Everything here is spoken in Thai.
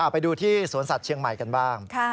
ไปดูที่สวนสัตว์เชียงใหม่กันบ้าง